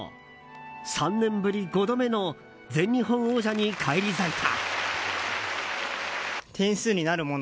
３年ぶり５度目の全日本王者に返り咲いた。